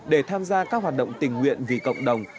để tham gia các hoạt động tình nguyện vì cộng đồng